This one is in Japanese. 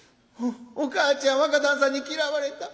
『おかあちゃん若旦さんに嫌われた。